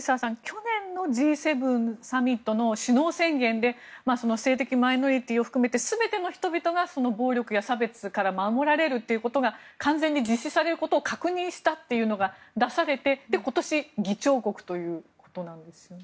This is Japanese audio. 去年のＧ７サミットの首脳宣言で性的マイノリティーを含めて全ての人々が暴力や差別から守られるということが完全に実施されることを確認したというのが出されて今年、議長国ということなんですよね。